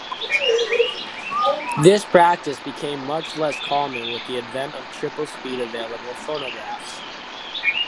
This practice became much less common with the advent of triple-speed-available phonographs.